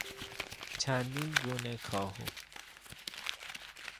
چندین گونه کاهو